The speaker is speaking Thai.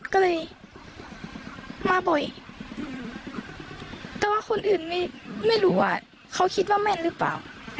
ก็เลยมาบ่อยแต่ว่าคนอื่นไม่รู้ว่าเขาคิดว่าแม่นหรือเปล่า